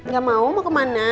gak mau mau kemana